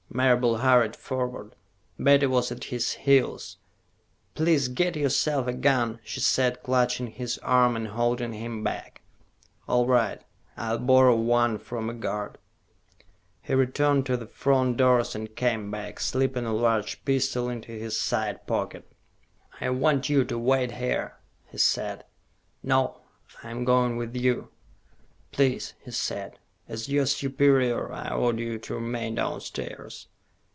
Marable hurried forward. Betty was at his heels. "Please get yourself a gun," she said, clutching his arm and holding him back. "All right. I'll borrow one from a guard." He returned to the front doors, and came back, slipping a large pistol into his side pocket. "I want you to wait here," he said. "No. I'm going with you." "Please," he said. "As your superior, I order you to remain downstairs."